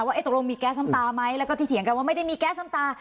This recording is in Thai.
ว่าตกลงมีแก๊สน้ำตาไหมแล้วก็ที่เถียงกันว่าไม่ได้มีแก๊สน้ำตา